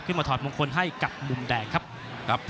ขึ้นมาถอนมงคลให้กับมุมแดงครับ